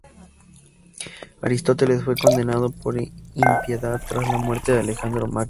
Aristóteles fue condenado por impiedad tras la muerte de Alejandro Magno.